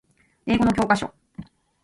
英語の教科書